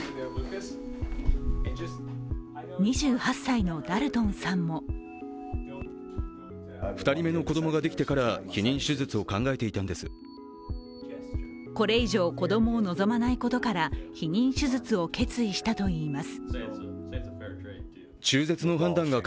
２８歳のダルトンさんもこれ以上子供を望まないことから避妊手術を決意したといいます。